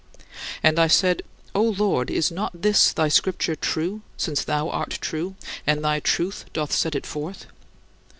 And I said: "O Lord, is not this thy Scripture true, since thou art true, and thy truth doth set it forth?